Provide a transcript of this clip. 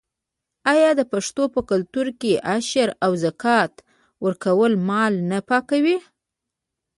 آیا د پښتنو په کلتور کې د عشر او زکات ورکول مال نه پاکوي؟